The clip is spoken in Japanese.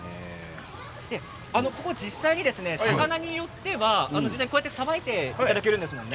ここ実際に魚によってはこうやって実際にさばいていただけるんですものね。